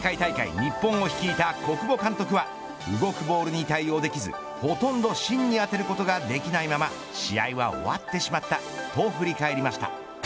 日本を率いた小久保監督は動くボールに対応できずほとんど芯に当てることができないまま試合は終わってしまったと振り返りました。